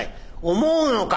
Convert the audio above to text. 思うのか？」。